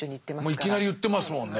もういきなり言ってますもんね。